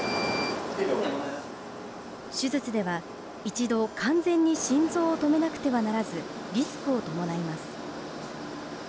手術では、一度、完全に心臓を止めなくてはならず、リスクを伴います。